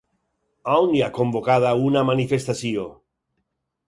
On hi ha convocada una manifestació?